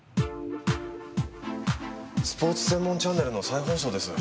スポーツ専門チャンネルの再放送です。